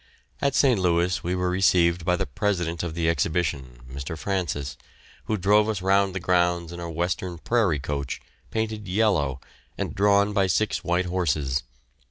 At St. Louis we were received by the president of the Exhibition, Mr. Francis, who drove us round the grounds in a Western prairie coach, painted yellow, and drawn by six white horses.